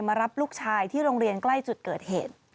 มารับลูกชายที่โรงเรียนใกล้จุดเกิดเหตุ